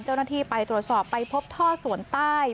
เจ้าหน้าที่ไปตรวจสอบไปพบท่อสวนใต้